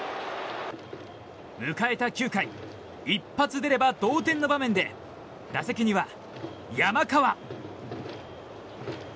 迎えた９回一発出れば同点の場面で打席には山川。